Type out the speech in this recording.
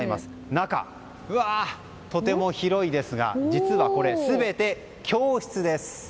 中、とても広いですが実はこれ、全て教室です。